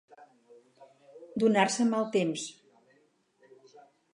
Donar-se mal temps.